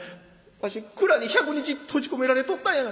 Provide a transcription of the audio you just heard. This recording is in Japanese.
わし蔵に１００日閉じ込められとったんや」。